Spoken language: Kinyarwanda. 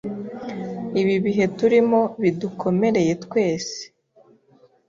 Ibi bihe turimo, bidukomereye twese